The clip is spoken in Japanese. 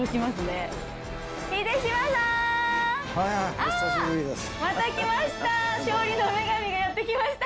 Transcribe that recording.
あっまた来ました！